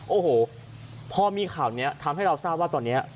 โอ้โหพอมีข่าวนี้ทำให้เราทราบว่าตอนนี้